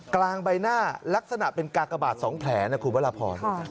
กลางใบหน้าลักษณะเป็นกากบาดสองแผลนะครับคุณพระพร